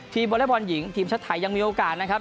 วอเล็กบอลหญิงทีมชาติไทยยังมีโอกาสนะครับ